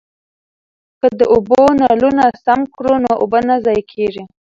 که د اوبو نلونه سم کړو نو اوبه نه ضایع کیږي.